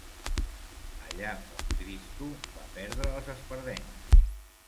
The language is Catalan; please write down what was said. Allà on Cristo va perdre les espardenyes.